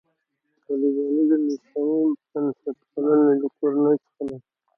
طالبانیزم د اسلامي بنسټپالنې له کورنۍ څخه دی.